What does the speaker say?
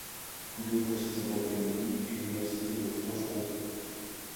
L'université de l'académie est l'université de Franche-Comté.